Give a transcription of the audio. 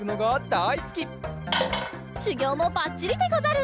しゅぎょうもばっちりでござる。